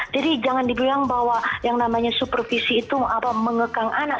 jadi jangan diduyang bahwa yang namanya supervisi itu mengekang anak